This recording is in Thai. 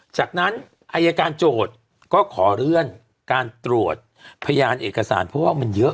จากนั้นอายการโจทย์ก็ขอเลื่อนการตรวจพยานเอกสารเพราะว่ามันเยอะ